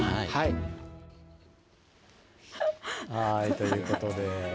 ということで。